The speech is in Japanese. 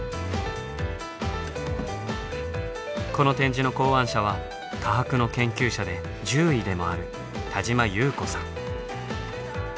この展示の考案者は科博の研究者で獣医でもある田島木綿子さん。